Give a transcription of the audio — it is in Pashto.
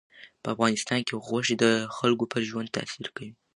په افغانستان کې غوښې د خلکو پر ژوند تاثیر کوي.